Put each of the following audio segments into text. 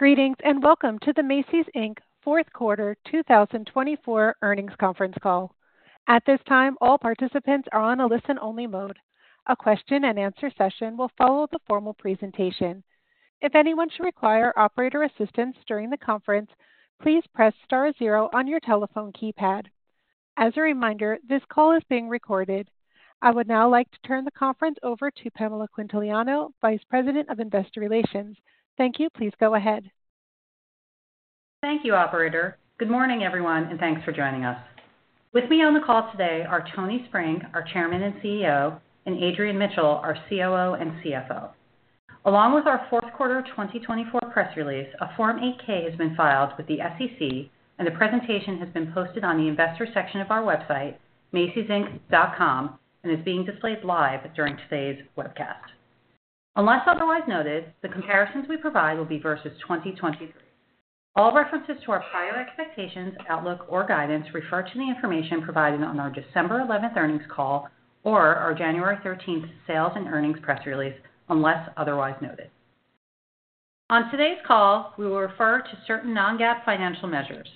Greetings and welcome to the Macy's Inc. Fourth Quarter 2024 earnings conference call. At this time, all participants are on a listen-only mode. A question-and-answer session will follow the formal presentation. If anyone should require operator assistance during the conference, please press star zero on your telephone keypad. As a reminder, this call is being recorded. I would now like to turn the conference over to Pamela Quintiliano, Vice President of Investor Relations. Thank you. Please go ahead. Thank you, Operator. Good morning, everyone, and thanks for joining us. With me on the call today are Tony Spring, our Chairman and CEO, and Adrian Mitchell, our COO and CFO. Along with our fourth quarter 2024 press release, a Form 8-K has been filed with the SEC, and the presentation has been posted on the investor section of our website, macysinc.com, and is being displayed live during today's webcast. Unless otherwise noted, the comparisons we provide will be versus 2023. All references to our prior expectations, outlook, or guidance refer to the information provided on our December 11th earnings call or our January 13th sales and earnings press release, unless otherwise noted. On today's call, we will refer to certain non-GAAP financial measures.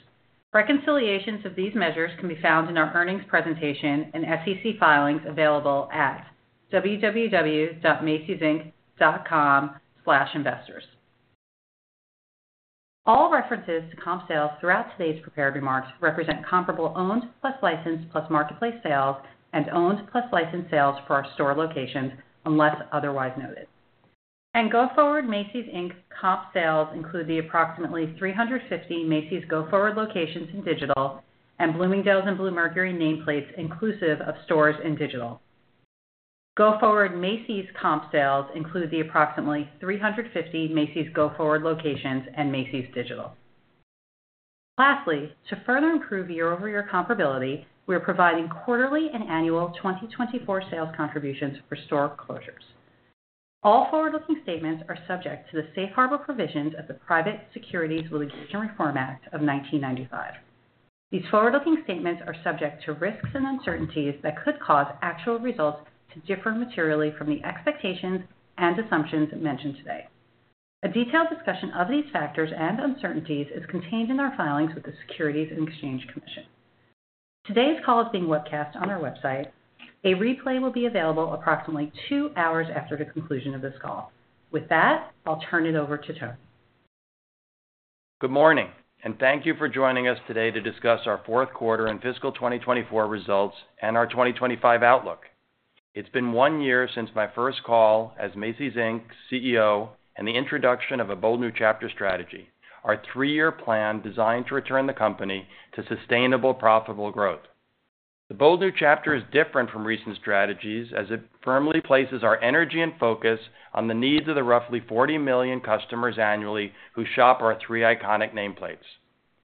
Reconciliations of these measures can be found in our earnings presentation and SEC filings available at www.macysinc.com/investors. All references to comp sales throughout today's prepared remarks represent comparable owned plus licensed plus marketplace sales and owned plus licensed sales for our store locations, unless otherwise noted, and Go-Forward Macy's Inc. comp sales include the approximately 350 Macy's Go-Forward locations in digital and Bloomingdale's and Bluemercury nameplates inclusive of stores in digital. Go-Forward Macy's comp sales include the approximately 350 Macy's Go-Forward locations and Macy's digital. Lastly, to further improve year-over-year comparability, we are providing quarterly and annual 2024 sales contributions for store closures. All forward-looking statements are subject to the safe harbor provisions of the Private Securities Litigation Reform Act of 1995. These forward-looking statements are subject to risks and uncertainties that could cause actual results to differ materially from the expectations and assumptions mentioned today. A detailed discussion of these factors and uncertainties is contained in our filings with the Securities and Exchange Commission. Today's call is being webcast on our website. A replay will be available approximately two hours after the conclusion of this call. With that, I'll turn it over to Tony. Good morning, and thank you for joining us today to discuss our fourth quarter and fiscal 2024 results and our 2025 outlook. It's been one year since my first call as Macy's Inc. CEO and the introduction of the Bold New Chapter strategy, our three-year plan designed to return the company to sustainable, profitable growth. The Bold New Chapter is different from recent strategies as it firmly places our energy and focus on the needs of the roughly 40 million customers annually who shop our three iconic nameplates.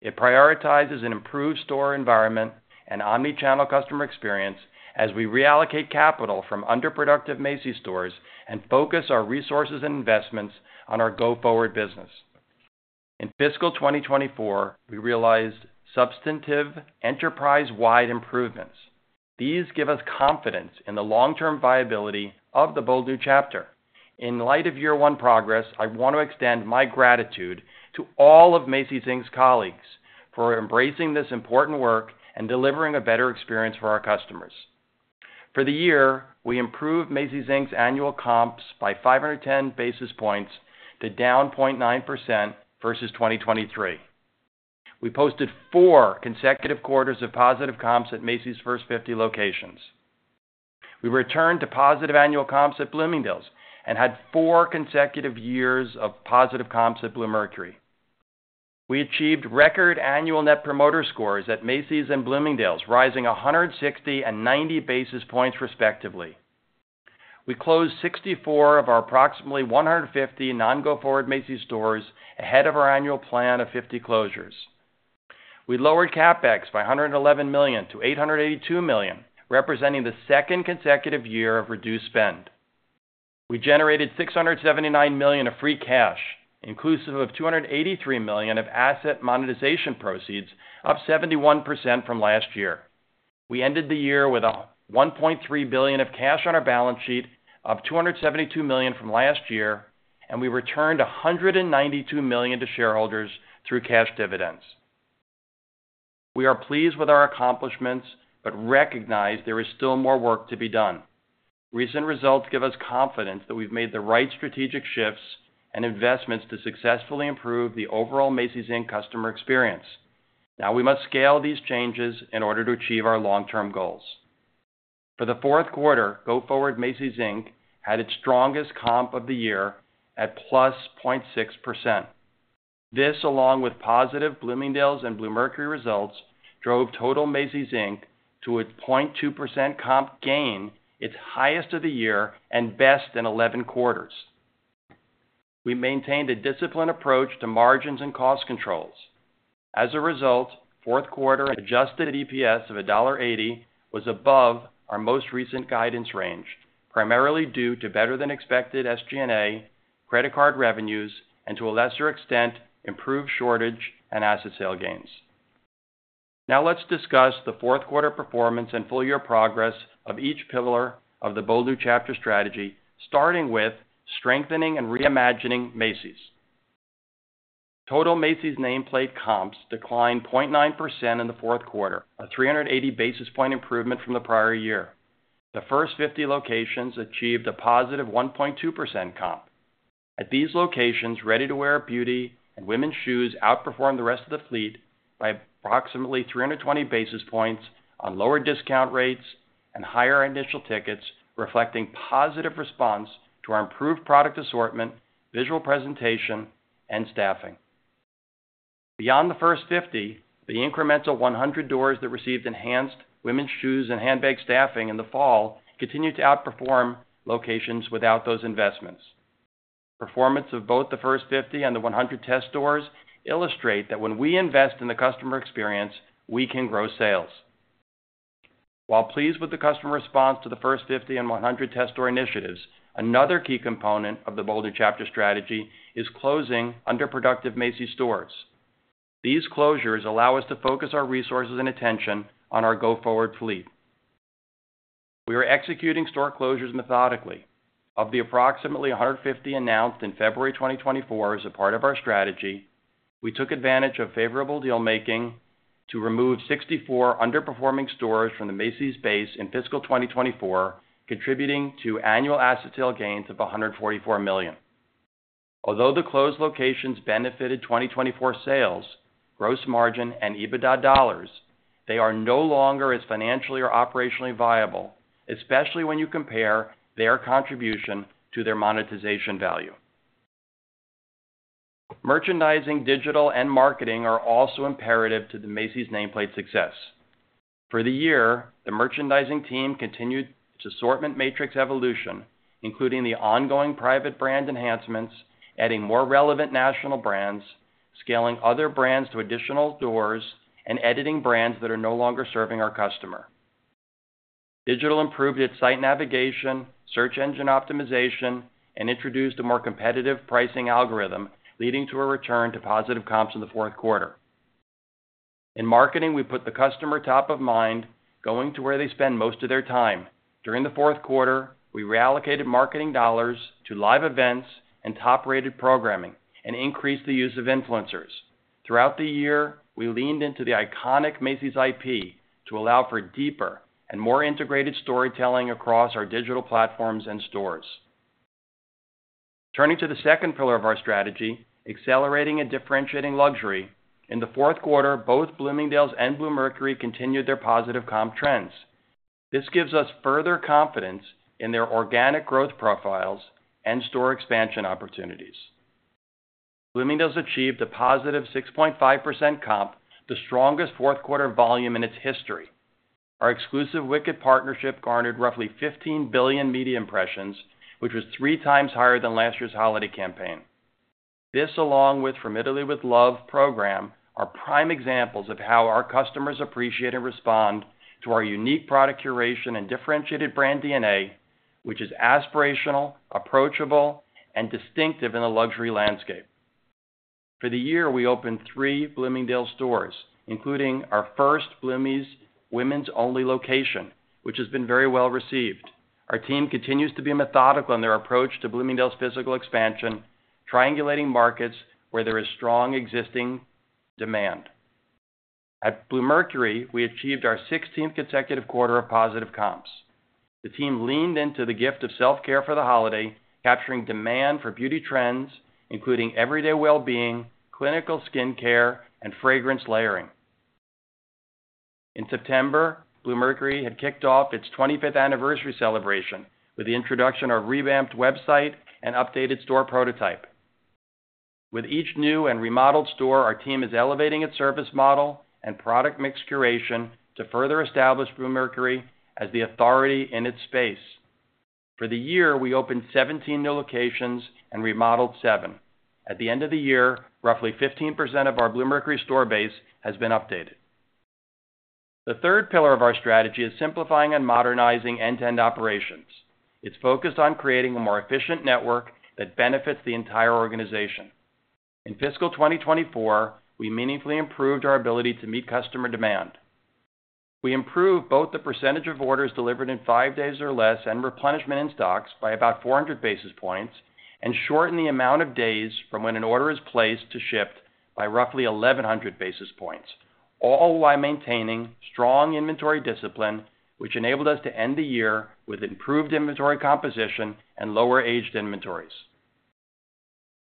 It prioritizes an improved store environment and omnichannel customer experience as we reallocate capital from underproductive Macy's stores and focus our resources and investments on our Go-Forward business. In fiscal 2024, we realized substantive enterprise-wide improvements. These give us confidence in the long-term viability of the Bold New Chapter. In light of year-one progress, I want to extend my gratitude to all of Macy's Inc.'s colleagues for embracing this important work and delivering a better experience for our customers. For the year, we improved Macy's Inc.'s annual comps by 510 basis points to down 0.9% versus 2023. We posted four consecutive quarters of positive comps at Macy's First 50 locations. We returned to positive annual comps at Bloomingdale's and had four consecutive years of positive comps at Bluemercury. We achieved record annual Net Promoter Scores at Macy's and Bloomingdale's, rising 160 and 90 basis points respectively. We closed 64 of our approximately 150 non-Go-Forward Macy's stores ahead of our annual plan of 50 closures. We lowered CapEx by $111 million to $882 million, representing the second consecutive year of reduced spend. We generated $679 million of free cash, inclusive of $283 million of asset monetization proceeds, up 71% from last year. We ended the year with $1.3 billion of cash on our balance sheet, up $272 million from last year, and we returned $192 million to shareholders through cash dividends. We are pleased with our accomplishments but recognize there is still more work to be done. Recent results give us confidence that we've made the right strategic shifts and investments to successfully improve the overall Macy's Inc. customer experience. Now we must scale these changes in order to achieve our long-term goals. For the fourth quarter, Go-Forward Macy's Inc. had its strongest comp of the year at +0.6%. This, along with positive Bloomingdale's and Bluemercury results, drove total Macy's Inc. to a 0.2% comp gain, its highest of the year and best in 11 quarters. We maintained a disciplined approach to margins and cost controls. As a result, fourth quarter adjusted EPS of $1.80 was above our most recent guidance range, primarily due to better-than-expected SG&A credit card revenues and, to a lesser extent, improved shortage and asset sale gains. Now let's discuss the fourth quarter performance and full-year progress of each pillar of the Bold New Chapter strategy, starting with strengthening and reimagining Macy's. Total Macy's nameplate comps declined 0.9% in the fourth quarter, a 380 basis points improvement from the prior year. The First 50 locations achieved a +1.2% comp. At these locations, ready-to-wear beauty and women's shoes outperformed the rest of the fleet by approximately 320 basis points on lower discount rates and higher initial tickets, reflecting positive response to our improved product assortment, visual presentation, and staffing. Beyond the First 50, the incremental 100 stores that received enhanced women's shoes and handbag staffing in the fall continued to outperform locations without those investments. Performance of both the First 50 and the 100 test stores illustrates that when we invest in the customer experience, we can grow sales. While pleased with the customer response to the First 50 and 100 test store initiatives, another key component of the Bold New Chapter strategy is closing underproductive Macy's stores. These closures allow us to focus our resources and attention on our Go-Forward fleet. We are executing store closures methodically. Of the approximately 150 announced in February 2024 as a part of our strategy, we took advantage of favorable dealmaking to remove 64 underperforming stores from the Macy's base in fiscal 2024, contributing to annual asset sale gains of $144 million. Although the closed locations benefited 2024 sales gross margin and EBITDA dollars, they are no longer as financially or operationally viable, especially when you compare their contribution to their monetization value. Merchandising, digital, and marketing are also imperative to the Macy's nameplate success. For the year, the merchandising team continued its assortment matrix evolution, including the ongoing Private Brand enhancements, adding more relevant national brands, scaling other brands to additional doors, and editing brands that are no longer serving our customer. Digital improved its site navigation, search engine optimization, and introduced a more competitive pricing algorithm, leading to a return to positive comps in the fourth quarter. In marketing, we put the customer top of mind, going to where they spend most of their time. During the fourth quarter, we reallocated marketing dollars to live events and top-rated programming and increased the use of influencers. Throughout the year, we leaned into the iconic Macy's IP to allow for deeper and more integrated storytelling across our digital platforms and stores. Turning to the 2nd pillar of our strategy, accelerating and differentiating luxury, in the fourth quarter, both Bloomingdale's and Bluemercury continued their positive comp trends. This gives us further confidence in their organic growth profiles and store expansion opportunities. Bloomingdale's achieved a positive 6.5% comp, the strongest fourth quarter volume in its history. Our exclusive Wicked partnership garnered roughly 15 billion media impressions, which was three times higher than last year's holiday campaign. This, along with From Italy with Love program, are prime examples of how our customers appreciate and respond to our unique product curation and differentiated brand DNA, which is aspirational, approachable, and distinctive in the luxury landscape. For the year, we opened three Bloomingdale's stores, including our first Bloomie's women's-only location, which has been very well received. Our team continues to be methodical in their approach to Bloomingdale's physical expansion, triangulating markets where there is strong existing demand. At Bluemercury, we achieved our 16th consecutive quarter of positive comps. The team leaned into the gift of self-care for the holiday, capturing demand for beauty trends, including everyday well-being, clinical skin care, and fragrance layering. In September, Bluemercury had kicked off its 25th anniversary celebration with the introduction of a revamped website and updated store prototype. With each new and remodeled store, our team is elevating its service model and product mix curation to further establish Bluemercury as the authority in its space. For the year, we opened 17 new locations and remodeled seven. At the end of the year, roughly 15% of our Bluemercury store base has been updated. The 3rd pillar of our strategy is simplifying and modernizing end-to-end operations. It's focused on creating a more efficient network that benefits the entire organization. In fiscal 2024, we meaningfully improved our ability to meet customer demand. We improved both the percentage of orders delivered in five days or less and replenishment in stocks by about 400 basis points and shortened the amount of days from when an order is placed to shipped by roughly 1,100 basis points, all while maintaining strong inventory discipline, which enabled us to end the year with improved inventory composition and lower-aged inventories.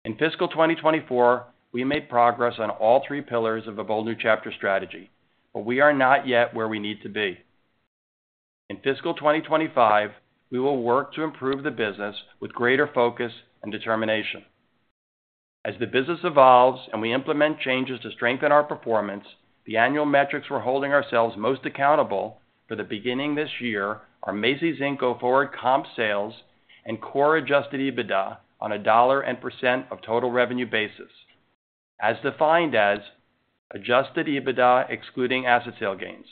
In fiscal 2024, we made progress on all three pillars of a Bold New Chapter strategy, but we are not yet where we need to be. In fiscal 2025, we will work to improve the business with greater focus and determination. As the business evolves and we implement changes to strengthen our performance, the annual metrics we're holding ourselves most accountable for the beginning this year are Macy's Inc. Go-Forward comp sales and Core Adjusted EBITDA on a dollar and percent of total revenue basis, as defined as adjusted EBITDA excluding asset sale gains.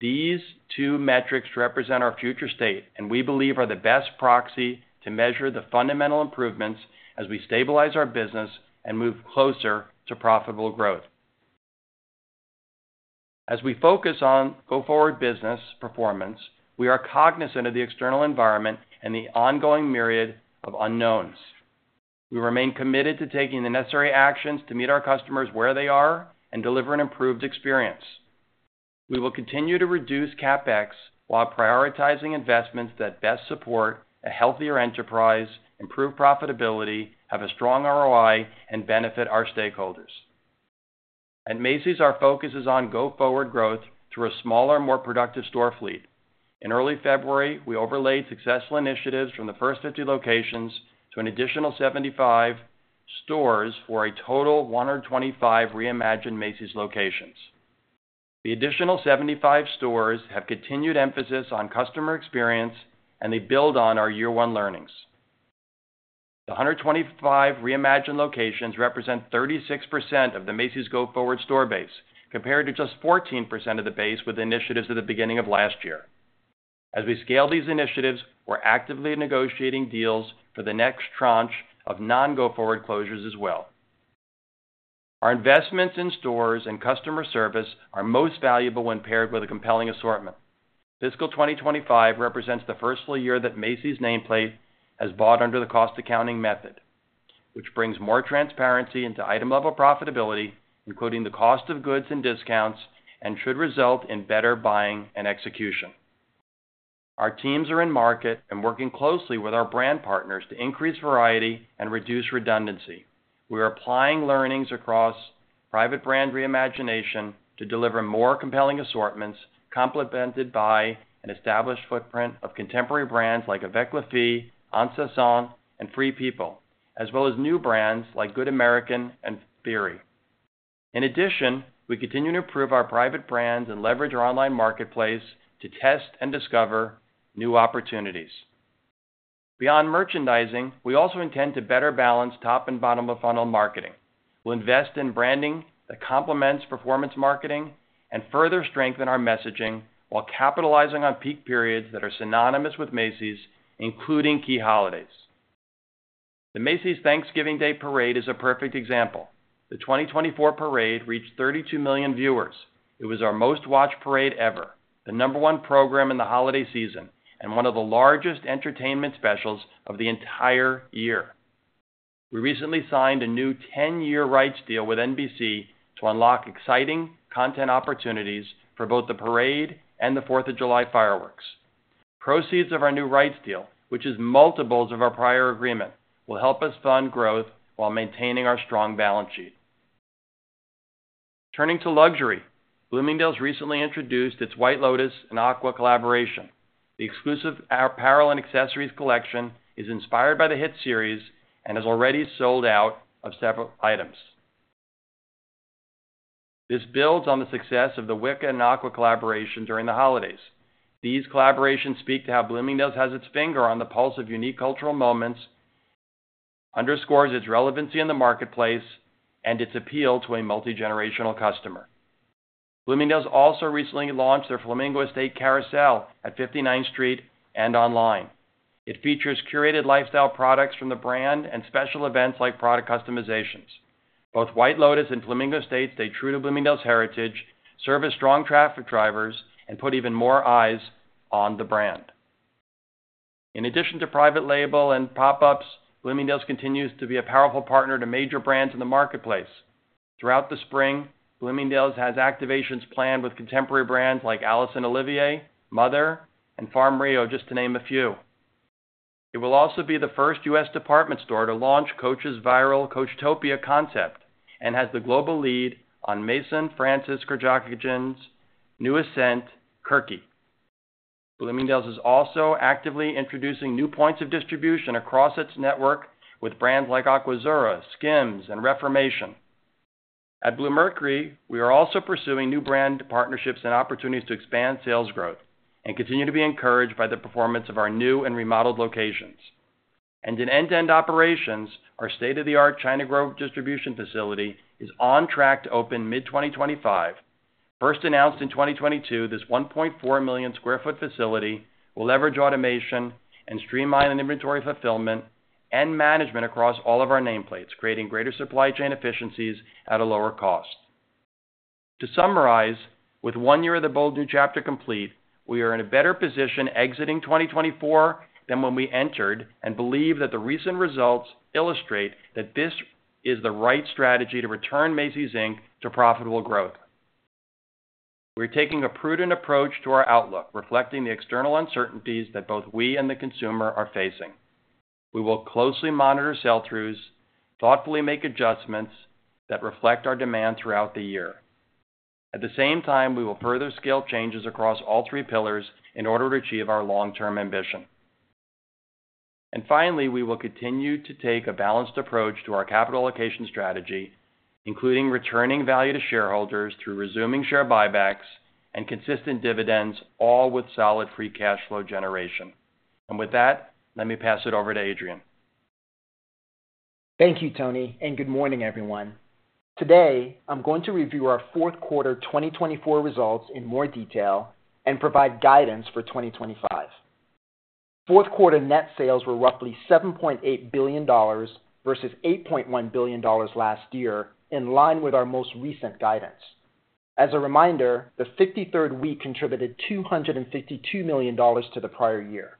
These two metrics represent our future state and we believe are the best proxy to measure the fundamental improvements as we stabilize our business and move closer to profitable growth. As we focus on Go-Forward business performance, we are cognizant of the external environment and the ongoing myriad of unknowns. We remain committed to taking the necessary actions to meet our customers where they are and deliver an improved experience. We will continue to reduce CapEx while prioritizing investments that best support a healthier enterprise, improve profitability, have a strong ROI, and benefit our stakeholders. At Macy's, our focus is on Go-Forward growth through a smaller, more productive store fleet. In early February, we overlaid successful initiatives from the First 50 locations to an additional 75 stores for a total of 125 reimagined Macy's locations. The additional 75 stores have continued emphasis on customer experience and they build on our year-one learnings. The 125 reimagined locations represent 36% of the Macy's Go-Forward store base, compared to just 14% of the base with initiatives at the beginning of last year. As we scale these initiatives, we're actively negotiating deals for the next tranche of non-Go-Forward closures as well. Our investments in stores and customer service are most valuable when paired with a compelling assortment. Fiscal 2025 represents the first full year that Macy's nameplate has bought under the cost accounting method, which brings more transparency into item-level profitability, including the cost of goods and discounts, and should result in better buying and execution. Our teams are in market and working closely with our brand partners to increase variety and reduce redundancy. We are applying learnings across Private Brand reimagination to deliver more compelling assortments, complemented by an established footprint of contemporary brands like Avec Les Filles, En Saison, and Free People, as well as new brands like Good American and Bar III. In addition, we continue to improve our Private Brands and leverage our online marketplace to test and discover new opportunities. Beyond merchandising, we also intend to better balance top and bottom-of-funnel marketing. We'll invest in branding that complements performance marketing and further strengthen our messaging while capitalizing on peak periods that are synonymous with Macy's, including key holidays. The Macy's Thanksgiving Day Parade is a perfect example. The 2024 parade reached 32 million viewers. It was our most-watched parade ever, the number one program in the holiday season, and one of the largest entertainment specials of the entire year. We recently signed a new 10-year rights deal with NBC to unlock exciting content opportunities for both the parade and the 4th of July fireworks. Proceeds of our new rights deal, which is multiples of our prior agreement, will help us fund growth while maintaining our strong balance sheet. Turning to luxury, Bloomingdale's recently introduced its White Lotus and Aqua collaboration. The exclusive apparel and accessories collection is inspired by the hit series and has already sold out of several items. This builds on the success of the Wicked and Aqua collaboration during the holidays. These collaborations speak to how Bloomingdale's has its finger on the pulse of unique cultural moments, underscores its relevancy in the marketplace, and its appeal to a multi-generational customer. Bloomingdale's also recently launched their Flamingo Estate Carousel at 59th Street and online. It features curated lifestyle products from the brand and special events like product customizations. Both White Lotus and Flamingo Estate stay true to Bloomingdale's heritage, serve as strong traffic drivers, and put even more eyes on the brand. In addition to private label and pop-ups, Bloomingdale's continues to be a powerful partner to major brands in the marketplace. Throughout the spring, Bloomingdale's has activations planned with contemporary brands like Alice + Olivia, Mother, and Farm Rio, just to name a few. It will also be the first U.S. department store to launch Coach's viral Coachtopia concept and has the global lead on Maison Francis Kurkdjian's new scent, Kurky. Bloomingdale's is also actively introducing new points of distribution across its network with brands like Aquazzura, Skims, and Reformation. At Bluemercury, we are also pursuing new brand partnerships and opportunities to expand sales growth and continue to be encouraged by the performance of our new and remodeled locations. In end-to-end operations, our state-of-the-art China Grove distribution facility is on track to open mid-2025. First announced in 2022, this 1.4 million sq ft facility will leverage automation and streamline inventory fulfillment and management across all of our nameplates, creating greater supply chain efficiencies at a lower cost. To summarize, with one year of the Bold New Chapter complete, we are in a better position exiting 2024 than when we entered and believe that the recent results illustrate that this is the right strategy to return Macy's Inc. to profitable growth. We are taking a prudent approach to our outlook, reflecting the external uncertainties that both we and the consumer are facing. We will closely monitor sell-throughs, thoughtfully make adjustments that reflect our demand throughout the year. At the same time, we will further scale changes across all three pillars in order to achieve our long-term ambition. And finally, we will continue to take a balanced approach to our capital allocation strategy, including returning value to shareholders through resuming share buybacks and consistent dividends, all with solid free cash flow generation. And with that, let me pass it over to Adrian. Thank you, Tony, and good morning, everyone. Today, I'm going to review our fourth quarter 2024 results in more detail and provide guidance for 2025. Fourth quarter net sales were roughly $7.8 billion versus $8.1 billion last year, in line with our most recent guidance. As a reminder, the 53rd week contributed $252 million to the prior year.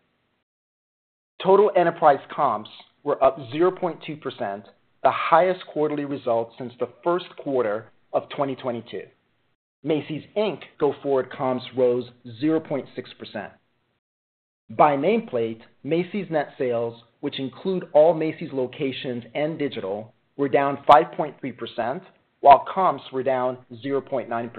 Total enterprise comps were up 0.2%, the highest quarterly result since the first quarter of 2022. Macy's, Inc. Go-Forward comps rose 0.6%. By nameplate, Macy's net sales, which include all Macy's locations and digital, were down 5.3%, while comps were down 0.9%.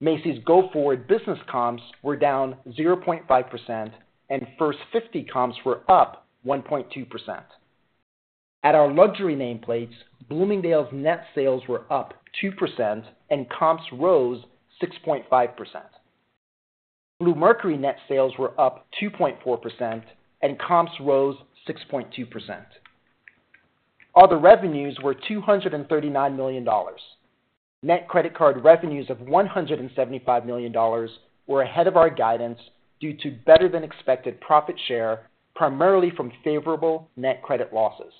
Macy's Go-Forward business comps were down 0.5%, and First 50 comps were up 1.2%. At our luxury nameplates, Bloomingdale's net sales were up 2%, and comps rose 6.5%. Bluemercury net sales were up 2.4%, and comps rose 6.2%. Other revenues were $239 million. Net credit card revenues of $175 million were ahead of our guidance due to better-than-expected profit share, primarily from favorable net credit losses.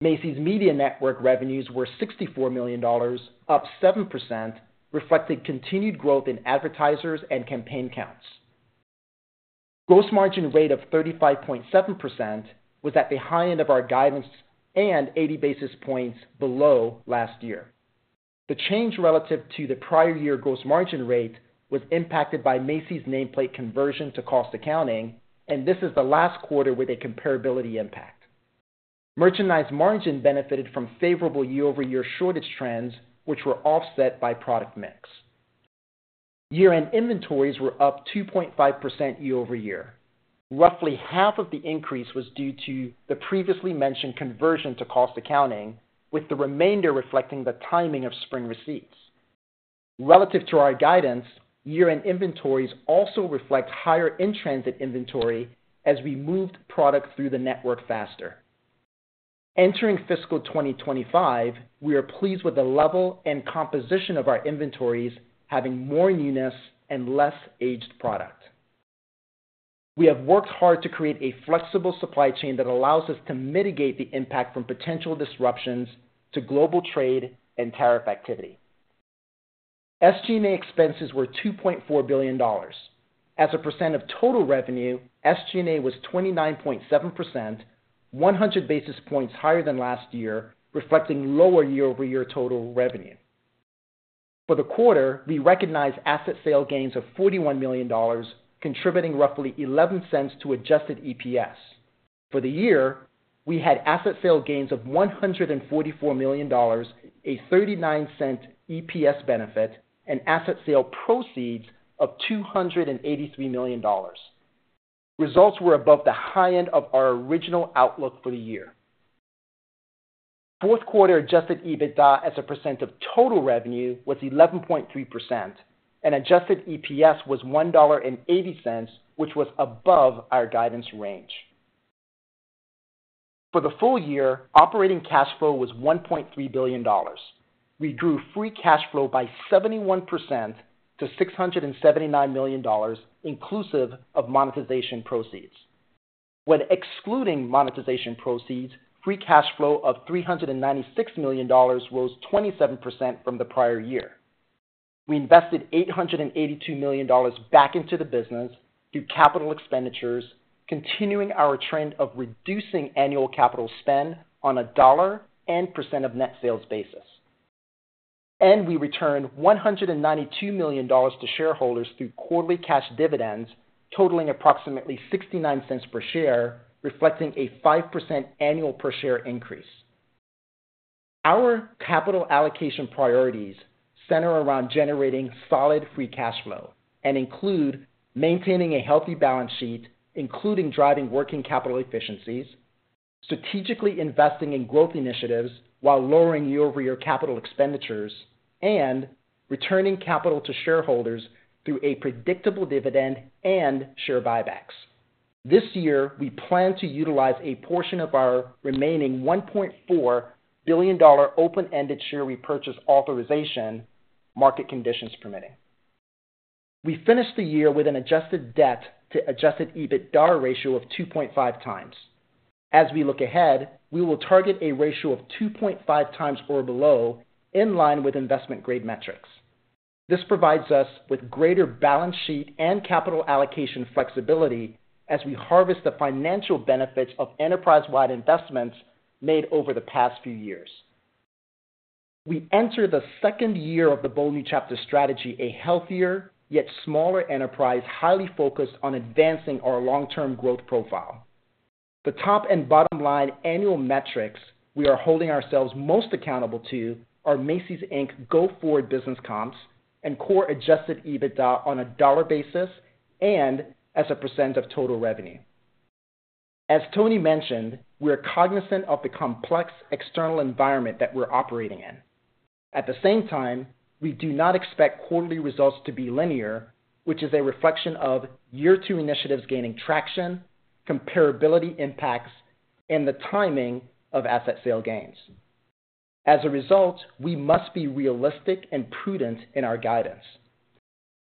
Macy's Media Network revenues were $64 million, up 7%, reflecting continued growth in advertisers and campaign counts. Gross margin rate of 35.7% was at the high end of our guidance and 80 basis points below last year. The change relative to the prior year gross margin rate was impacted by Macy's nameplate conversion to cost accounting, and this is the last quarter with a comparability impact. Merchandise margin benefited from favorable year-over-year shortage trends, which were offset by product mix. Year-end inventories were up 2.5% year-over-year. Roughly half of the increase was due to the previously mentioned conversion to cost accounting, with the remainder reflecting the timing of spring receipts. Relative to our guidance, year-end inventories also reflect higher in-transit inventory as we moved product through the network faster. Entering fiscal 2025, we are pleased with the level and composition of our inventories having more newness and less aged product. We have worked hard to create a flexible supply chain that allows us to mitigate the impact from potential disruptions to global trade and tariff activity. SG&A expenses were $2.4 billion. As a percent of total revenue, SG&A was 29.7%, 100 basis points higher than last year, reflecting lower year-over-year total revenue. For the quarter, we recognized asset sale gains of $41 million, contributing roughly $0.11 to adjusted EPS. For the year, we had asset sale gains of $144 million, a $0.39 EPS benefit, and asset sale proceeds of $283 million. Results were above the high end of our original outlook for the year. Fourth quarter adjusted EBITDA as a percent of total revenue was 11.3%, and adjusted EPS was $1.80, which was above our guidance range. For the full year, operating cash flow was $1.3 billion. We grew free cash flow by 71% to $679 million, inclusive of monetization proceeds. When excluding monetization proceeds, free cash flow of $396 million rose 27% from the prior year. We invested $882 million back into the business through capital expenditures, continuing our trend of reducing annual capital spend on a dollar and percent of net sales basis, and we returned $192 million to shareholders through quarterly cash dividends, totaling approximately $0.69 per share, reflecting a 5% annual per share increase. Our capital allocation priorities center around generating solid free cash flow and include maintaining a healthy balance sheet, including driving working capital efficiencies, strategically investing in growth initiatives while lowering year-over-year capital expenditures, and returning capital to shareholders through a predictable dividend and share buybacks. This year, we plan to utilize a portion of our remaining $1.4 billion open-ended share repurchase authorization, market conditions permitting. We finished the year with an adjusted debt to adjusted EBITDA ratio of 2.5 times. As we look ahead, we will target a ratio of 2.5 times or below, in line with investment-grade metrics. This provides us with greater balance sheet and capital allocation flexibility as we harvest the financial benefits of enterprise-wide investments made over the past few years. We enter the 2nd year of the Bold New Chapter strategy, a healthier, yet smaller enterprise highly focused on advancing our long-term growth profile. The top and bottom-line annual metrics we are holding ourselves most accountable to are Macy's, Inc. Go-Forward business comps and Core Adjusted EBITDA on a dollar basis and as a percent of total revenue. As Tony mentioned, we are cognizant of the complex external environment that we're operating in. At the same time, we do not expect quarterly results to be linear, which is a reflection of year-two initiatives gaining traction, comparability impacts, and the timing of asset sale gains. As a result, we must be realistic and prudent in our guidance.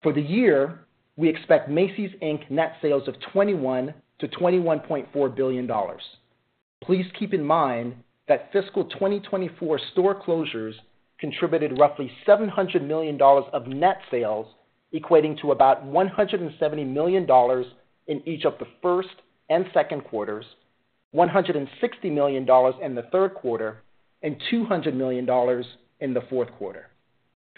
For the year, we expect Macy's, Inc. net sales of $21-$21.4 billion. Please keep in mind that fiscal 2024 store closures contributed roughly $700 million of net sales, equating to about $170 million in each of the first and second quarters, $160 million in the third quarter, and $200 million in the fourth quarter.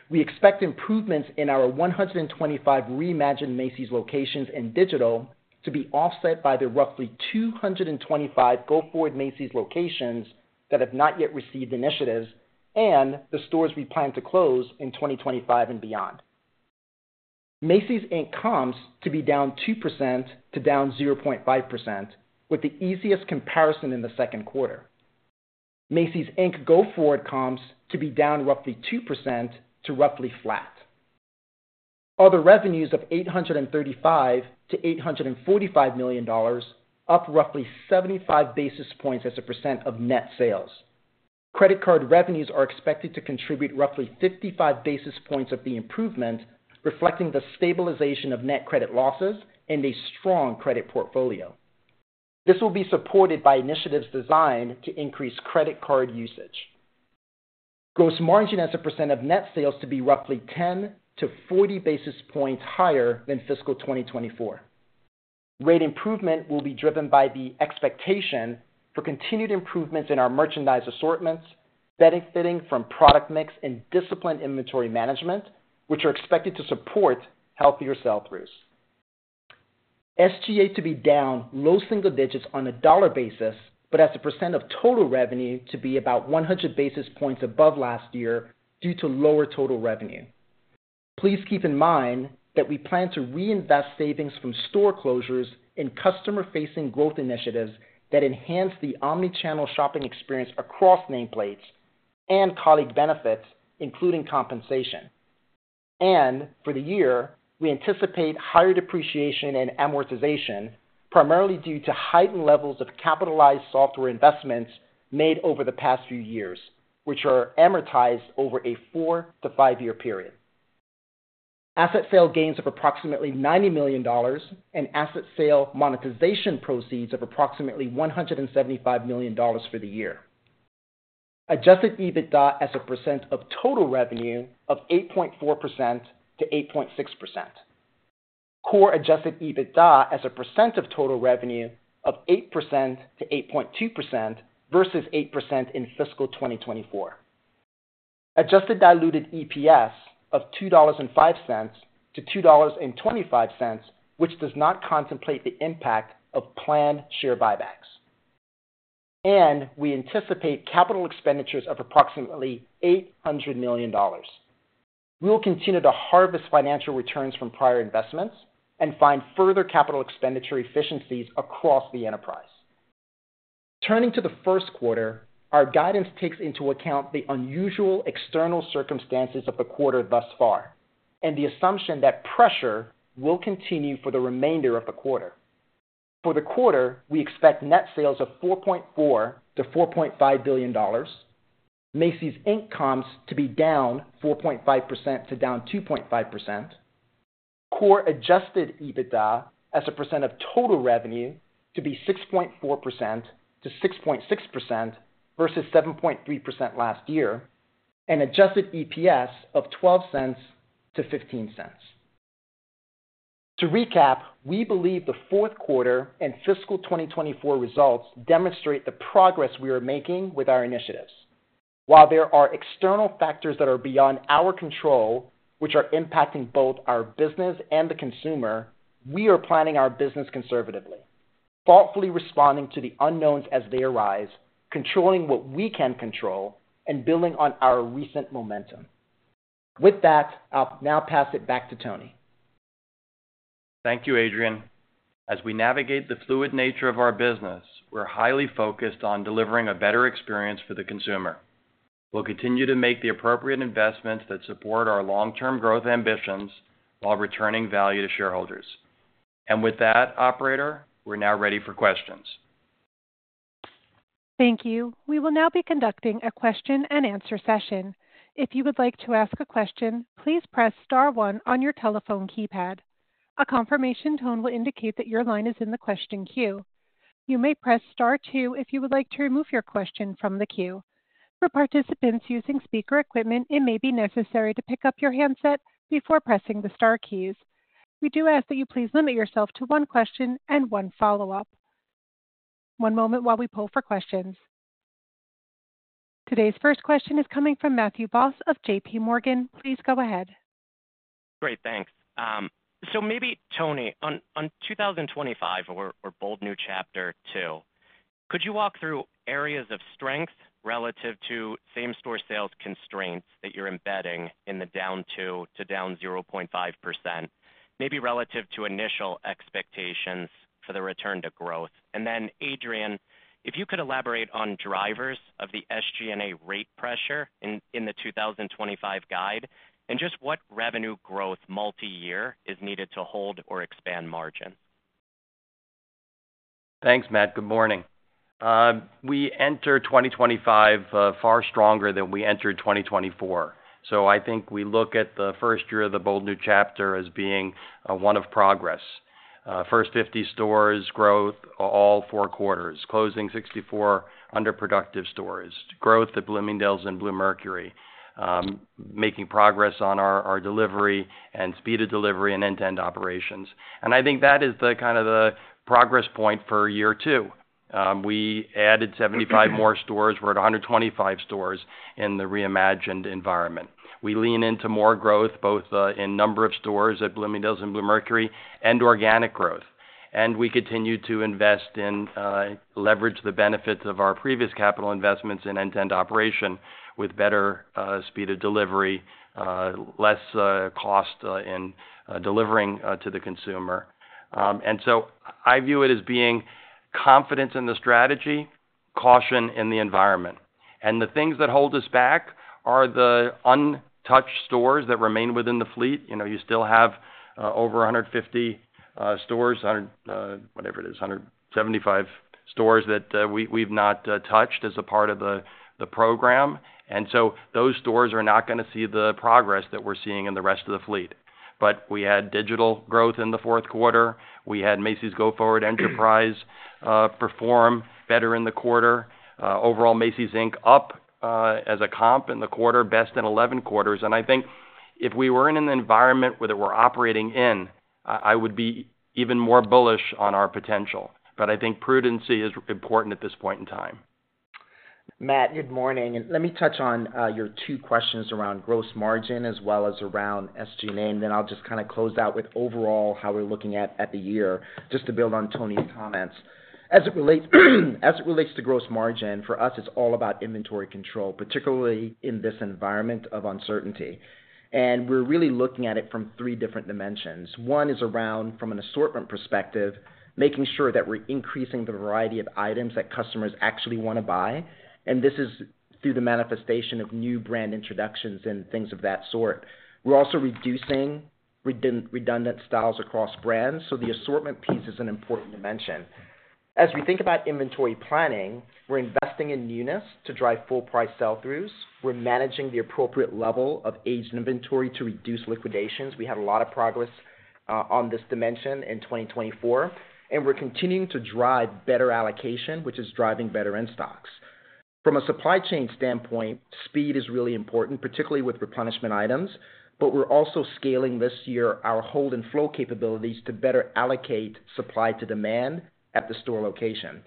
We expect improvements in our 125 reimagined Macy's locations and digital to be offset by the roughly 225 Go-Forward Macy's locations that have not yet received initiatives and the stores we plan to close in 2025 and beyond. Macy's, Inc. comps to be down 2% to down 0.5%, with the easiest comparison in the second quarter. Macy's, Inc. Go-Forward comps to be down roughly 2% to roughly flat. Other revenues of $835-$845 million, up roughly 75 basis points as a percent of net sales. Credit card revenues are expected to contribute roughly 55 basis points of the improvement, reflecting the stabilization of net credit losses and a strong credit portfolio. This will be supported by initiatives designed to increase credit card usage. Gross margin as a percent of net sales to be roughly 10 to 40 basis points higher than fiscal 2024. Rate improvement will be driven by the expectation for continued improvements in our merchandise assortments, benefiting from product mix and disciplined inventory management, which are expected to support healthier sell-throughs. SG&A to be down low single digits on a dollar basis, but as a % of total revenue to be about 100 basis points above last year due to lower total revenue. Please keep in mind that we plan to reinvest savings from store closures in customer-facing growth initiatives that enhance the omnichannel shopping experience across nameplates and colleague benefits, including compensation. For the year, we anticipate higher depreciation and amortization, primarily due to heightened levels of capitalized software investments made over the past few years, which are amortized over a four- to five-year period. Asset sale gains of approximately $90 million and asset sale monetization proceeds of approximately $175 million for the year. Adjusted EBITDA as a percent of total revenue of 8.4%-8.6%. Core Adjusted EBITDA as a percent of total revenue of 8%-8.2% versus 8% in fiscal 2024. Adjusted Diluted EPS of $2.05-$2.25, which does not contemplate the impact of planned share buybacks. We anticipate capital expenditures of approximately $800 million. We will continue to harvest financial returns from prior investments and find further capital expenditure efficiencies across the enterprise. Turning to the first quarter, our guidance takes into account the unusual external circumstances of the quarter thus far and the assumption that pressure will continue for the remainder of the quarter. For the quarter, we expect net sales of $4.4-$4.5 billion, Macy's, Inc. comps to be down 4.5% to down 2.5%. Core Adjusted EBITDA as a percent of total revenue to be 6.4%-6.6% versus 7.3% last year, and Adjusted EPS of $0.12-$0.15. To recap, we believe the fourth quarter and fiscal 2024 results demonstrate the progress we are making with our initiatives. While there are external factors that are beyond our control, which are impacting both our business and the consumer, we are planning our business conservatively, thoughtfully responding to the unknowns as they arise, controlling what we can control, and building on our recent momentum. With that, I'll now pass it back to Tony. Thank you, Adrian. As we navigate the fluid nature of our business, we're highly focused on delivering a better experience for the consumer. We'll continue to make the appropriate investments that support our long-term growth ambitions while returning value to shareholders. And with that, Operator, we're now ready for questions. Thank you. We will now be conducting a question-and-answer session. If you would like to ask a question, please press star one on your telephone keypad. A confirmation tone will indicate that your line is in the question queue. You may press star two if you would like to remove your question from the queue. For participants using speaker equipment, it may be necessary to pick up your handset before pressing the star keys. We do ask that you please limit yourself to one question and one follow-up. One moment while we pull for questions. Today's first question is coming from Matthew Boss of JPMorgan. Please go ahead. Great. Thanks. So maybe, Tony, on 2025 or Bold New Chapter two, could you walk through areas of strength relative to same-store sales constraints that you're embedding in the down 2% to down 0.5%, maybe relative to initial expectations for the return to growth? And then, Adrian, if you could elaborate on drivers of the SG&A rate pressure in the 2025 guide and just what revenue growth multi-year is needed to hold or expand margin? Thanks, Matt. Good morning. We enter 2025 far stronger than we entered 2024. So I think we look at the first year of the Bold New Chapter as being one of progress. First 50 stores growth all four quarters, closing 64 underproductive stores, growth at Bloomingdale's and Bluemercury, making progress on our delivery and speed of delivery and end-to-end operations. And I think that is the kind of the progress point for year two. We added 75 more stores. We're at 125 stores in the reimagined environment. We lean into more growth, both in number of stores at Bloomingdale's and Bluemercury and organic growth. And we continue to invest and leverage the benefits of our previous capital investments in end-to-end operation with better speed of delivery, less cost in delivering to the consumer. And so I view it as being confidence in the strategy, caution in the environment. And the things that hold us back are the untouched stores that remain within the fleet. You still have over 150 stores, whatever it is, 175 stores that we've not touched as a part of the program. And so those stores are not going to see the progress that we're seeing in the rest of the fleet. But we had digital growth in the fourth quarter. We had Macy's Go-Forward Enterprise perform better in the quarter. Overall, Macy's, Inc. up as a comp in the quarter, best in 11 quarters. And I think if we were in an environment that we're operating in, I would be even more bullish on our potential. But I think prudency is important at this point in time. Matt, good morning. And let me touch on your two questions around gross margin as well as around SG&A. And then I'll just kind of close out with overall how we're looking at the year, just to build on Tony's comments. As it relates to gross margin, for us, it's all about inventory control, particularly in this environment of uncertainty. And we're really looking at it from three different dimensions. One is around, from an assortment perspective, making sure that we're increasing the variety of items that customers actually want to buy. And this is through the manifestation of new brand introductions and things of that sort. We're also reducing redundant styles across brands. The assortment piece is an important dimension. As we think about inventory planning, we're investing in newness to drive full-price sell-throughs. We're managing the appropriate level of aged inventory to reduce liquidations. We had a lot of progress on this dimension in 2024. We're continuing to drive better allocation, which is driving better in stocks. From a supply chain standpoint, speed is really important, particularly with replenishment items. We're also scaling this year our hold and flow capabilities to better allocate supply to demand at the store location.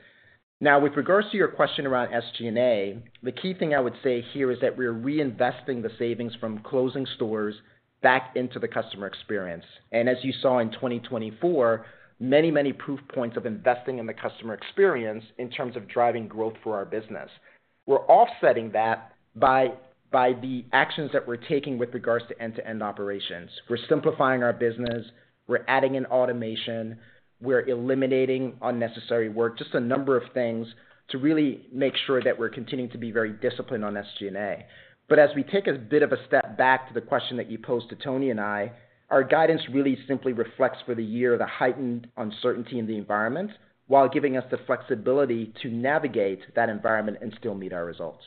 Now, with regards to your question around SG&A, the key thing I would say here is that we're reinvesting the savings from closing stores back into the customer experience. As you saw in 2024, many, many proof points of investing in the customer experience in terms of driving growth for our business. We're offsetting that by the actions that we're taking with regards to end-to-end operations. We're simplifying our business. We're adding in automation. We're eliminating unnecessary work, just a number of things to really make sure that we're continuing to be very disciplined on SG&A. But as we take a bit of a step back to the question that you posed to Tony and I, our guidance really simply reflects for the year the heightened uncertainty in the environment while giving us the flexibility to navigate that environment and still meet our results.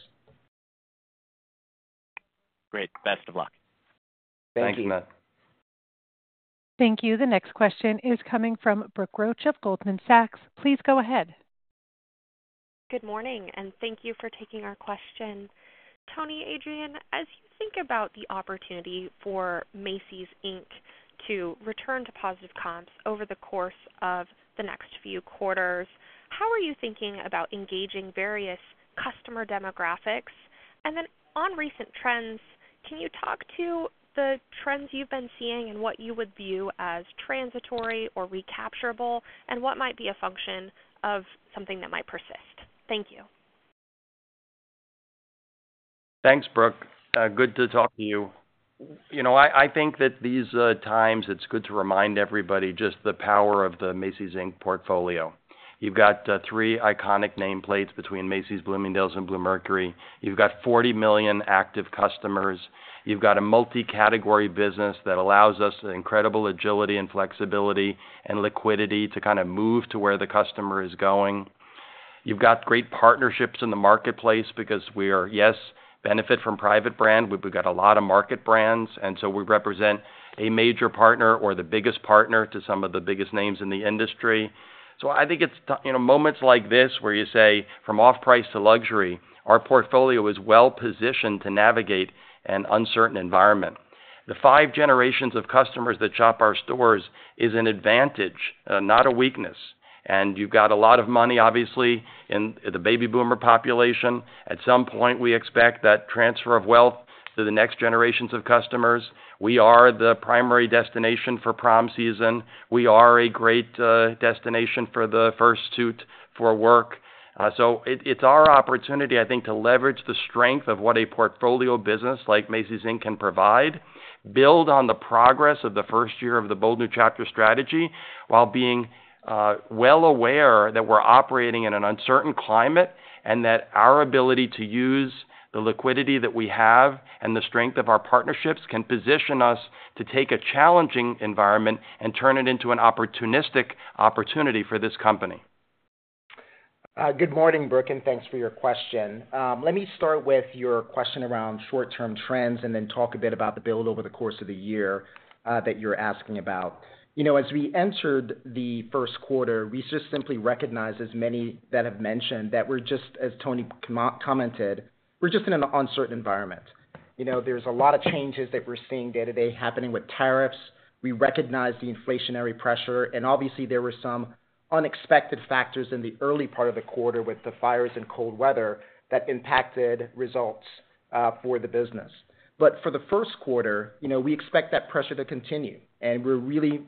Great. Best of luck. Thank you. Thank you. Thank you. The next question is coming from Brooke Roach of Goldman Sachs. Please go ahead. Good morning. And thank you for taking our question. Tony, Adrian, as you think about the opportunity for Macy's, Inc. to return to positive comps over the course of the next few quarters, how are you thinking about engaging various customer demographics? And then on recent trends, can you talk to the trends you've been seeing and what you would view as transitory or recapturable, and what might be a function of something that might persist? Thank you. Thanks, Brooke. Good to talk to you. I think that these times, it's good to remind everybody just the power of the Macy's Inc. portfolio. You've got three iconic nameplates between Macy's, Bloomingdale's, and Bluemercury. You've got 40 million active customers. You've got a multi-category business that allows us incredible agility and flexibility and liquidity to kind of move to where the customer is going. You've got great partnerships in the marketplace because we are, yes, benefit from Private Brand. We've got a lot of market brands. And so we represent a major partner or the biggest partner to some of the biggest names in the industry. So I think it's moments like this where you say, from off-price to luxury, our portfolio is well-positioned to navigate an uncertain environment. The five generations of customers that shop our stores is an advantage, not a weakness. And you've got a lot of money, obviously, in the baby boomer population. At some point, we expect that transfer of wealth to the next generations of customers. We are the primary destination for prom season. We are a great destination for the first suit for work. So it's our opportunity, I think, to leverage the strength of what a portfolio business like Macy's Inc. can provide, build on the progress of the first year of the Bold New Chapter strategy while being well aware that we're operating in an uncertain climate and that our ability to use the liquidity that we have and the strength of our partnerships can position us to take a challenging environment and turn it into an opportunistic opportunity for this company. Good morning, Brooke, and thanks for your question. Let me start with your question around short-term trends and then talk a bit about the build over the course of the year that you're asking about. As we entered the first quarter, we just simply recognized, as many that have mentioned, that we're just, as Tony commented, in an uncertain environment. There's a lot of changes that we're seeing day-to-day happening with tariffs. We recognize the inflationary pressure. Obviously, there were some unexpected factors in the early part of the quarter with the fires and cold weather that impacted results for the business. For the first quarter, we expect that pressure to continue. We're really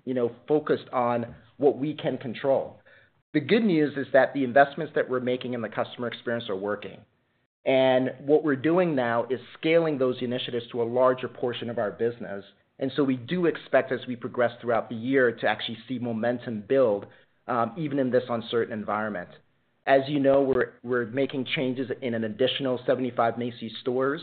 focused on what we can control. The good news is that the investments that we're making in the customer experience are working. What we're doing now is scaling those initiatives to a larger portion of our business. We do expect, as we progress throughout the year, to actually see momentum build even in this uncertain environment. As you know, we're making changes in an additional 75 Macy's stores.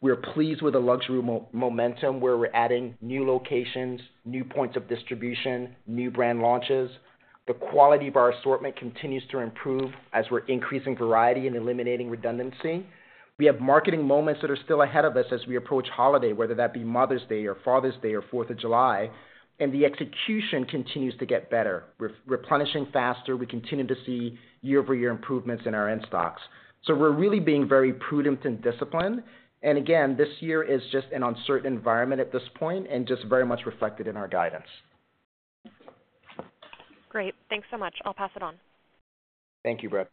We're pleased with the luxury momentum where we're adding new locations, new points of distribution, new brand launches. The quality of our assortment continues to improve as we're increasing variety and eliminating redundancy. We have marketing moments that are still ahead of us as we approach holiday, whether that be Mother's Day or Father's Day or 4th of July. And the execution continues to get better. We're replenishing faster. We continue to see year-over-year improvements in our end stocks. So we're really being very prudent and disciplined. And again, this year is just an uncertain environment at this point and just very much reflected in our guidance. Great. Thanks so much. I'll pass it on. Thank you, Brooke.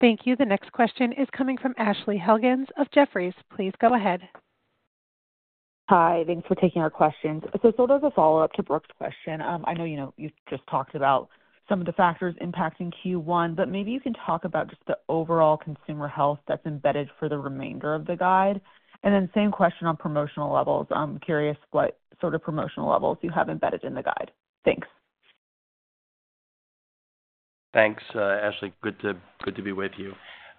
Thank you. The next question is coming from Ashley Helgans of Jefferies. Please go ahead. Hi. Thanks for taking our questions. So sort of a follow-up to Brooke's question. I know you just talked about some of the factors impacting Q1, but maybe you can talk about just the overall consumer health that's embedded for the remainder of the guide. And then same question on promotional levels. I'm curious what sort of promotional levels you have embedded in the guide. Thanks. Thanks, Ashley. Good to be with you.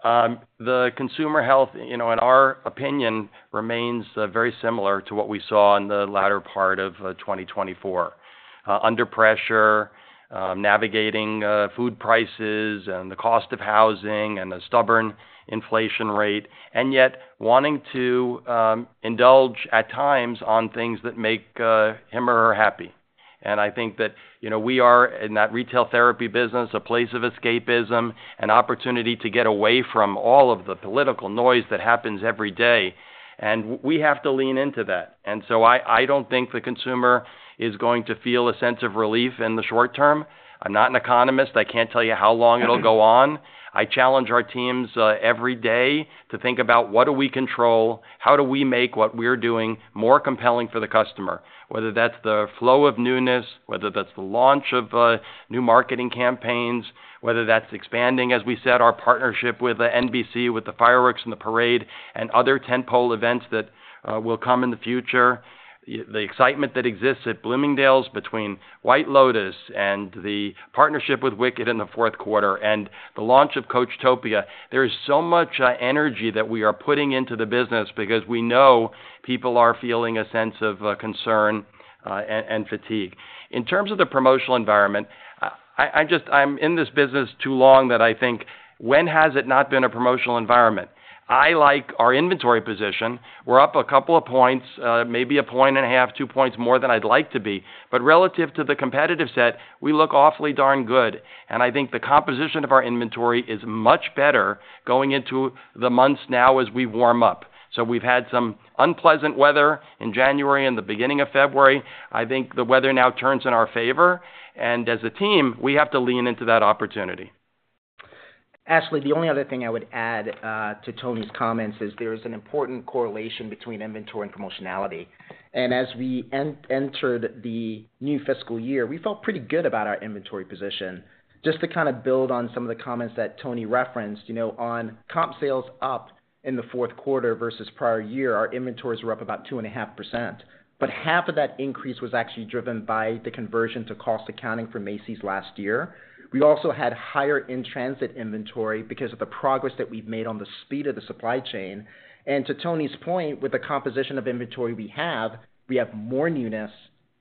The consumer health, in our opinion, remains very similar to what we saw in the latter part of 2024. Under pressure, navigating food prices and the cost of housing and a stubborn inflation rate, and yet wanting to indulge at times on things that make him or her happy. And I think that we are in that retail therapy business, a place of escapism, an opportunity to get away from all of the political noise that happens every day. And we have to lean into that. And so I don't think the consumer is going to feel a sense of relief in the short term. I'm not an economist. I can't tell you how long it'll go on. I challenge our teams every day to think about what do we control, how do we make what we're doing more compelling for the customer, whether that's the flow of newness, whether that's the launch of new marketing campaigns, whether that's expanding, as we said, our partnership with NBC, with the fireworks and the parade, and other tentpole events that will come in the future, the excitement that exists at Bloomingdale's between White Lotus and the partnership with Wicked in the fourth quarter, and the launch of Coachtopia. There is so much energy that we are putting into the business because we know people are feeling a sense of concern and fatigue. In terms of the promotional environment, I'm in this business too long that I think, when has it not been a promotional environment? I like our inventory position. We're up a couple of points, maybe a point and a half, two points more than I'd like to be, but relative to the competitive set, we look awfully darn good, and I think the composition of our inventory is much better going into the months now as we warm up, so we've had some unpleasant weather in January and the beginning of February. I think the weather now turns in our favor, and as a team, we have to lean into that opportunity. Ashley, the only other thing I would add to Tony's comments is there is an important correlation between inventory and promotionality, and as we entered the new fiscal year, we felt pretty good about our inventory position. Just to kind of build on some of the comments that Tony referenced, on comp sales up in the fourth quarter versus prior year, our inventories were up about 2.5%. But half of that increase was actually driven by the conversion to cost accounting for Macy's last year. We also had higher in-transit inventory because of the progress that we've made on the speed of the supply chain. And to Tony's point, with the composition of inventory we have, we have more newness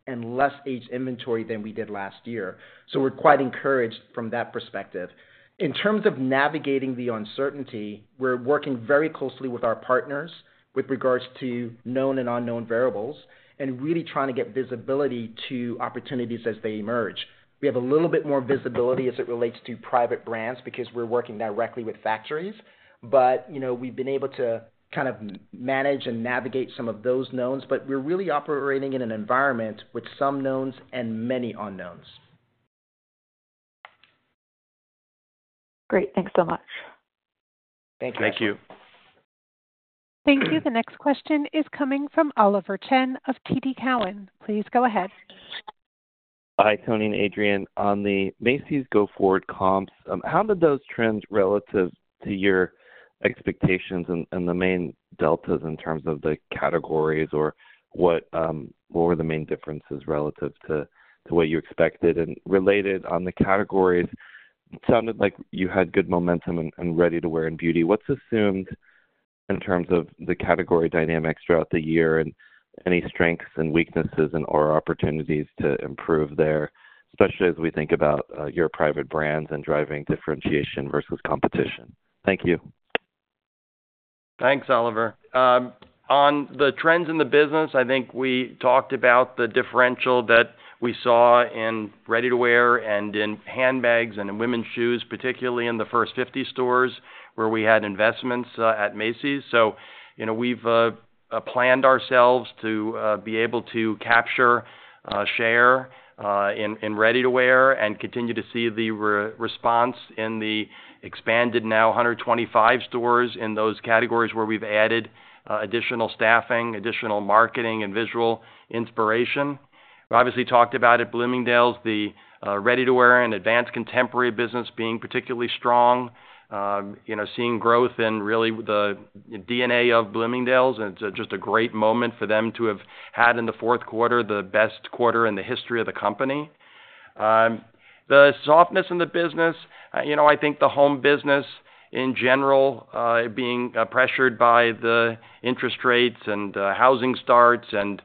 and less aged inventory than we did last year. So we're quite encouraged from that perspective. In terms of navigating the uncertainty, we're working very closely with our partners with regards to known and unknown variables and really trying to get visibility to opportunities as they emerge. We have a little bit more visibility as it relates to Private Brands because we're working directly with factories. But we've been able to kind of manage and navigate some of those knowns. But we're really operating in an environment with some knowns and many unknowns. Great. Thanks so much. Thank you. Thank you. Thank you. The next question is coming from Oliver Chen of TD Cowen. Please go ahead. Hi, Tony, and Adrian. On the Macy's Go-Forward comps, how did those trends relative to your expectations and the main deltas in terms of the categories or what were the main differences relative to what you expected? And related on the categories, it sounded like you had good momentum and ready to wear and beauty. What's assumed in terms of the category dynamics throughout the year and any strengths and weaknesses or opportunities to improve there, especially as we think about your Private Brands and driving differentiation versus competition? Thank you. Thanks, Oliver. On the trends in the business, I think we talked about the differential that we saw in ready to wear and in handbags and in women's shoes, particularly in the First 50 stores where we had investments at Macy's. So we've planned ourselves to be able to capture, share in ready to wear and continue to see the response in the expanded now 125 stores in those categories where we've added additional staffing, additional marketing, and visual inspiration. We obviously talked about at Bloomingdale's, the ready to wear and advanced contemporary business being particularly strong, seeing growth in really the DNA of Bloomingdale's, and it's just a great moment for them to have had in the fourth quarter the best quarter in the history of the company. The softness in the business, I think the home business in general being pressured by the interest rates and housing starts and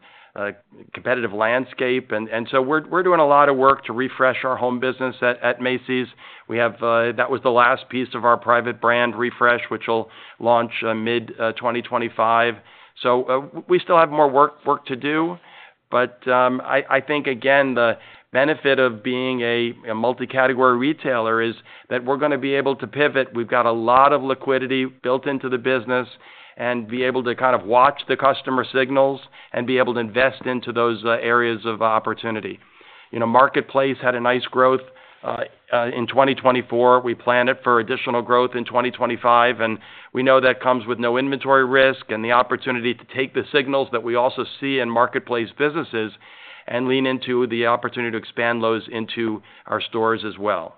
competitive landscape, and so we're doing a lot of work to refresh our home business at Macy's. That was the last piece of our Private Brand refresh, which will launch mid-2025, so we still have more work to do, but I think, again, the benefit of being a multi-category retailer is that we're going to be able to pivot. We've got a lot of liquidity built into the business and be able to kind of watch the customer signals and be able to invest into those areas of opportunity. Marketplace had a nice growth in 2024. We planned it for additional growth in 2025. We know that comes with no inventory risk and the opportunity to take the signals that we also see in marketplace businesses and lean into the opportunity to expand those into our stores as well.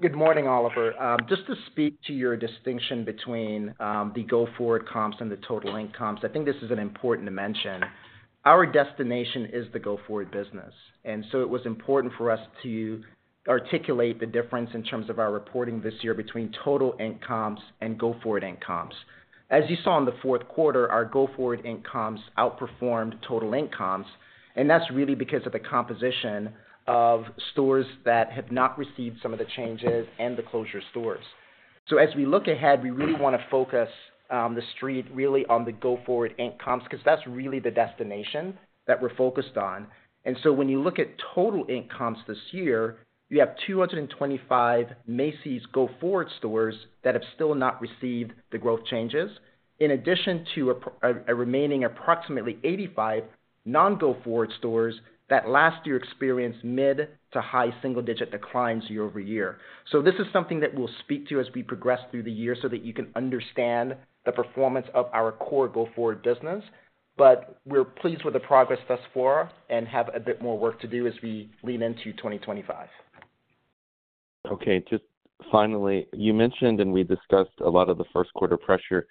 Good morning, Oliver. Just to speak to your distinction between the Go-Forward comps and the total income, I think this is important to mention. Our destination is the Go-Forward business. So it was important for us to articulate the difference in terms of our reporting this year between total income and Go-Forward income. As you saw in the fourth quarter, our Go-Forward income outperformed total income. That's really because of the composition of stores that have not received some of the changes and the closure stores. So as we look ahead, we really want to focus the street really on the Go-Forward income because that's really the destination that we're focused on. And so when you look at total incomes this year, you have 225 Macy's Go-Forward stores that have still not received the growth changes, in addition to remaining approximately 85 non-Go-Forward stores that last year experienced mid- to high single-digit declines year over year. So this is something that we'll speak to as we progress through the year so that you can understand the performance of our core Go-Forward business. But we're pleased with the progress thus far and have a bit more work to do as we lean into 2025. Okay. Just finally, you mentioned and we discussed a lot of the first quarter pressure.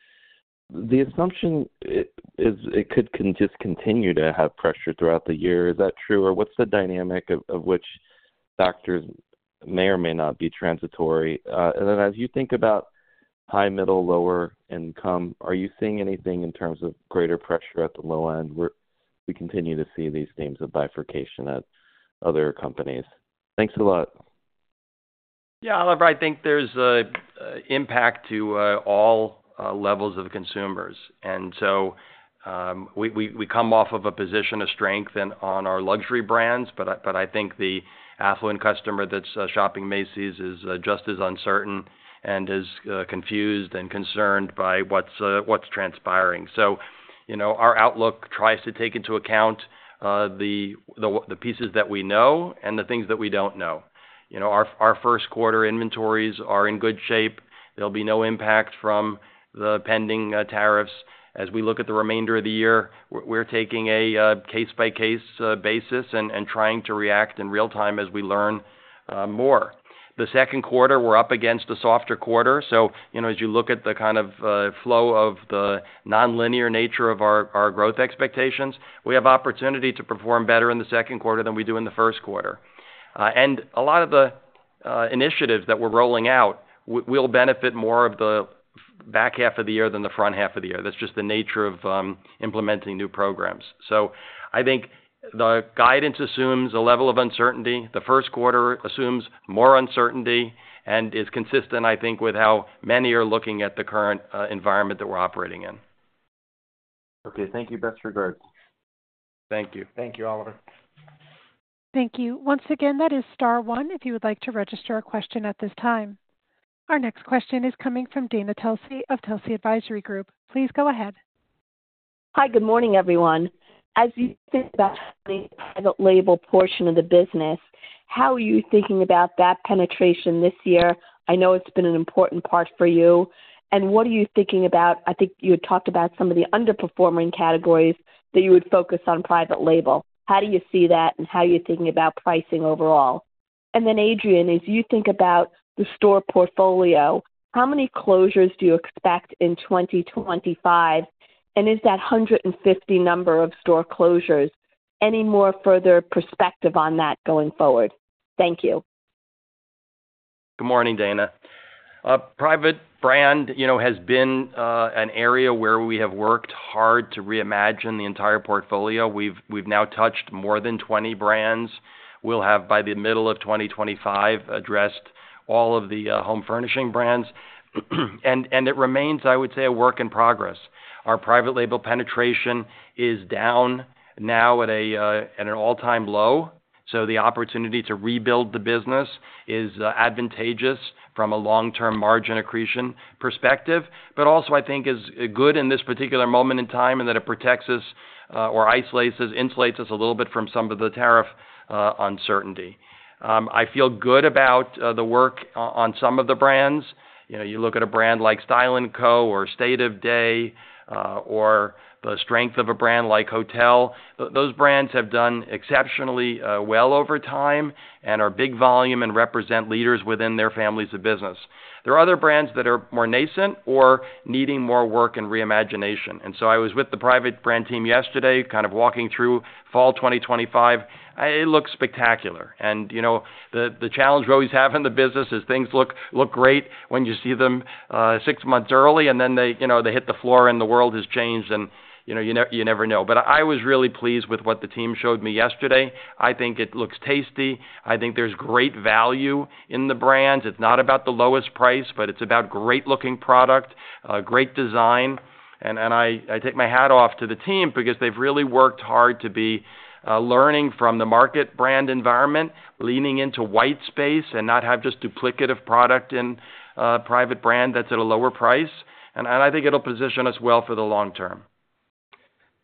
The assumption is it could just continue to have pressure throughout the year. Is that true? Or what's the dynamic of which factors may or may not be transitory? And then as you think about high, middle, lower income, are you seeing anything in terms of greater pressure at the low end where we continue to see these themes of bifurcation at other companies? Thanks a lot. Yeah, Oliver, I think there's an impact to all levels of consumers. And so we come off of a position of strength on our luxury brands, but I think the affluent customer that's shopping Macy's is just as uncertain and as confused and concerned by what's transpiring. So our outlook tries to take into account the pieces that we know and the things that we don't know. Our first quarter inventories are in good shape. There'll be no impact from the pending tariffs. As we look at the remainder of the year, we're taking a case-by-case basis and trying to react in real time as we learn more. The second quarter, we're up against a softer quarter. So as you look at the kind of flow of the non-linear nature of our growth expectations, we have opportunity to perform better in the second quarter than we do in the first quarter, and a lot of the initiatives that we're rolling out will benefit more of the back half of the year than the front half of the year. That's just the nature of implementing new programs, so I think the guidance assumes a level of uncertainty. The first quarter assumes more uncertainty and is consistent, I think, with how many are looking at the current environment that we're operating in. Okay. Thank you. Best regards. Thank you. Thank you, Oliver. Thank you. Once again, that is star one if you would like to register a question at this time. Our next question is coming from Dana Telsey of Telsey Advisory Group. Please go ahead. Hi. Good morning, everyone. As you think about the private label portion of the business, how are you thinking about that penetration this year? I know it's been an important part for you. And what are you thinking about? I think you had talked about some of the underperforming categories that you would focus on private label. How do you see that and how are you thinking about pricing overall? And then, Adrian, as you think about the store portfolio, how many closures do you expect in 2025? And is that 150 number of store closures? Any more further perspective on that going forward? Thank you. Good morning, Dana. Private brand has been an area where we have worked hard to reimagine the entire portfolio. We've now touched more than 20 brands. We'll have, by the middle of 2025, addressed all of the home furnishing brands, and it remains, I would say, a work in progress. Our private label penetration is down now at an all-time low. So the opportunity to rebuild the business is advantageous from a long-term margin accretion perspective, but also, I think, is good in this particular moment in time and that it protects us or insulates us a little bit from some of the tariff uncertainty. I feel good about the work on some of the brands. You look at a brand like Style & Co or State of Day or the strength of a brand like Hotel. Those brands have done exceptionally well over time and are big volume and represent leaders within their families of business. There are other brands that are more nascent or needing more work and reimagination. So I was with the Private Brand team yesterday, kind of walking through Fall 2025. It looks spectacular. The challenge we always have in the business is things look great when you see them six months early, and then they hit the floor and the world has changed, and you never know. But I was really pleased with what the team showed me yesterday. I think it looks tasty. I think there's great value in the brands. It's not about the lowest price, but it's about great-looking product, great design. I take my hat off to the team because they've really worked hard to be learning from the market brand environment, leaning into white space, and not have just duplicative product in Private Brand that's at a lower price. I think it'll position us well for the long term.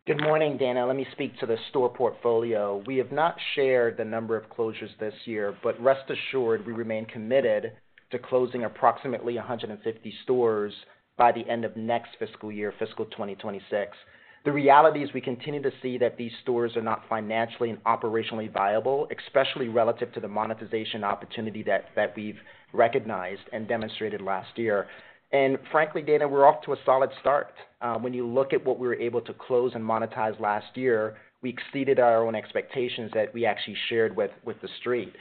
Good morning, Dana. Let me speak to the store portfolio. We have not shared the number of closures this year, but rest assured we remain committed to closing approximately 150 stores by the end of next fiscal year, fiscal 2026. The reality is we continue to see that these stores are not financially and operationally viable, especially relative to the monetization opportunity that we've recognized and demonstrated last year. And frankly, Dana, we're off to a solid start. When you look at what we were able to close and monetize last year, we exceeded our own expectations that we actually shared with the street.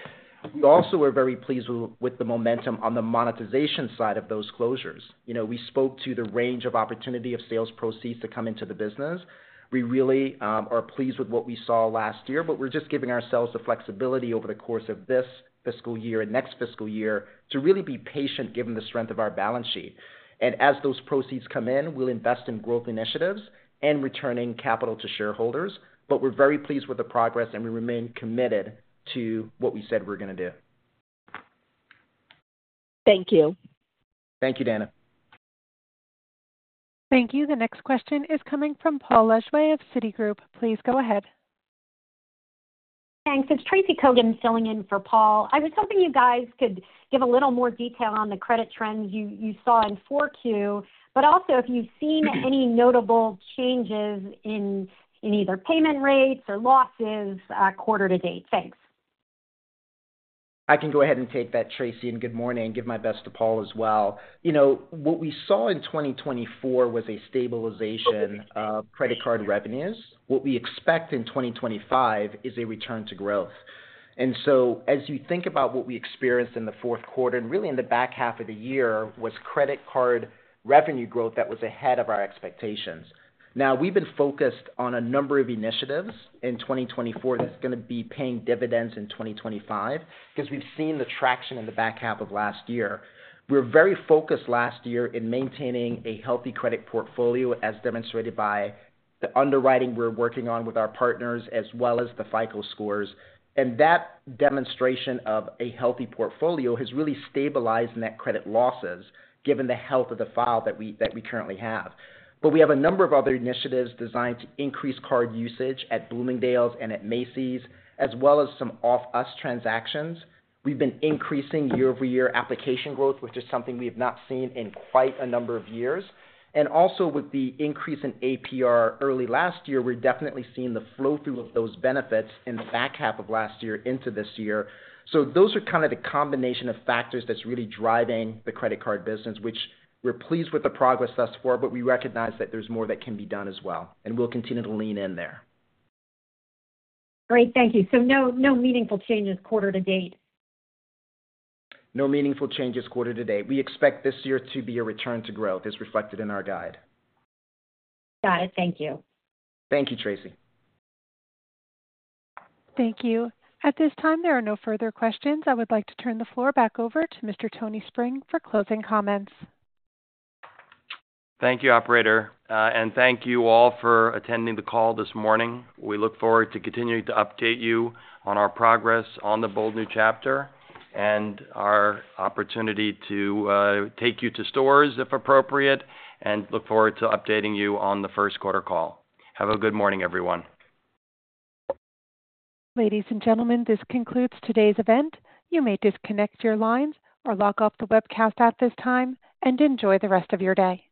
We also were very pleased with the momentum on the monetization side of those closures. We spoke to the range of opportunity of sales proceeds to come into the business. We really are pleased with what we saw last year, but we're just giving ourselves the flexibility over the course of this fiscal year and next fiscal year to really be patient given the strength of our balance sheet. And as those proceeds come in, we'll invest in growth initiatives and returning capital to shareholders. But we're very pleased with the progress, and we remain committed to what we said we're going to do. Thank you. Thank you, Dana. Thank you. The next question is coming from Paul Lejuez of Citigroup. Please go ahead. Thanks. It's Tracy Kogan filling in for Paul. I was hoping you guys could give a little more detail on the credit trends you saw in 4Q, but also if you've seen any notable changes in either payment rates or losses quarter to date. Thanks. I can go ahead and take that, Tracy, and good morning, and give my best to Paul as well. What we saw in 2024 was a stabilization of credit card revenues. What we expect in 2025 is a return to growth. And so as you think about what we experienced in the fourth quarter and really in the back half of the year was credit card revenue growth that was ahead of our expectations. Now, we've been focused on a number of initiatives in 2024 that's going to be paying dividends in 2025 because we've seen the traction in the back half of last year. We were very focused last year in maintaining a healthy credit portfolio as demonstrated by the underwriting we're working on with our partners as well as the FICO scores. That demonstration of a healthy portfolio has really stabilized net credit losses given the health of the file that we currently have. But we have a number of other initiatives designed to increase card usage at Bloomingdale's and at Macy's, as well as some off-us transactions. We've been increasing year-over-year application growth, which is something we have not seen in quite a number of years. And also with the increase in APR early last year, we're definitely seeing the flow-through of those benefits in the back half of last year into this year. So those are kind of the combination of factors that's really driving the credit card business, which we're pleased with the progress thus far, but we recognize that there's more that can be done as well. And we'll continue to lean in there. Great. Thank you. No meaningful changes quarter to date. No meaningful changes quarter to date. We expect this year to be a return to growth as reflected in our guide. Got it. Thank you. Thank you, Tracy. Thank you. At this time, there are no further questions. I would like to turn the floor back over to Mr. Tony Spring for closing comments. Thank you, operator. And thank you all for attending the call this morning. We look forward to continuing to update you on our progress on the Bold New Chapter and our opportunity to take you to stores if appropriate and look forward to updating you on the first quarter call. Have a good morning, everyone. Ladies and gentlemen, this concludes today's event. You may disconnect your lines or log off the webcast at this time and enjoy the rest of your day.